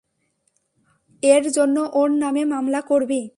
এর জন্য ওর নামে মামলা করবি?